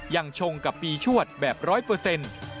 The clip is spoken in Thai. ชงกับปีชวดแบบร้อยเปอร์เซ็นต์